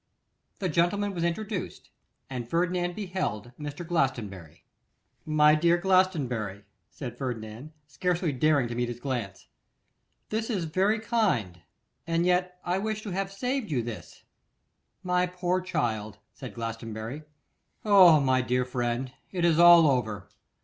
The gentleman was introduced, and Ferdinand beheld Mr. Glastonbury. 'My dear Glastonbury,' said Ferdinand, scarcely daring to meet his glance, 'this is very kind, and yet I wished to have saved you this.' 'My poor child,' said Glastonbury. 'Oh! my dear friend, it is all over.